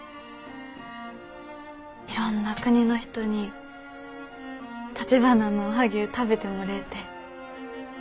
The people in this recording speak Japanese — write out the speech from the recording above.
いろんな国の人にたちばなのおはぎゅう食べてもれえてえ。